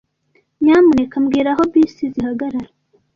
Nyamuneka mbwira aho bisi zihagarara.